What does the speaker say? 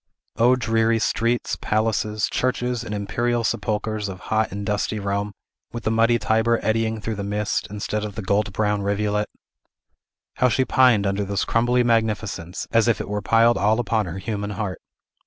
O dreary streets, palaces, churches, and imperial sepulchres of hot and dusty Rome, with the muddy Tiber eddying through the midst, instead of the gold brown rivulet! How she pined under this crumbly magnificence, as if it were piled all upon her human heart!